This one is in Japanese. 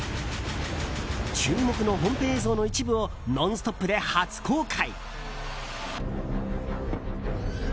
注目の本編映像の一部を「ノンストップ！」で初公開。